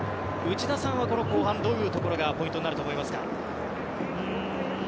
内田さんは、この後半どういうところがポイントになると思いますか？